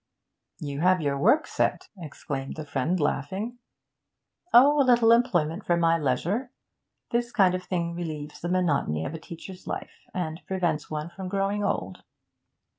'You have your work set!' exclaimed the friend, laughing. 'Oh, a little employment for my leisure! This kind of thing relieves the monotony of a teacher's life, and prevents one from growing old.'